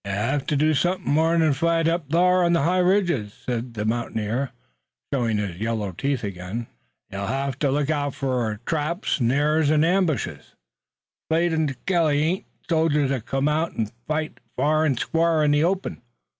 "You'll hev to do somethin' more than fight up thar on the high ridges," said the mountaineer, showing his yellow teeth again. "You'll hev to look out fur traps, snares an' ambushes. Slade an' Skelly ain't soldiers that come out an' fight fa'r an' squar' in the open.